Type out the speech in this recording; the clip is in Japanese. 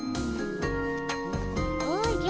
おじゃ。